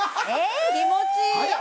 気持ちいいえ！？